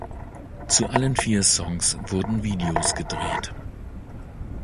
Zu allen vier Songs wurden Videos gedreht.